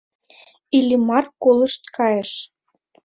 Иллимар колышт кайыш.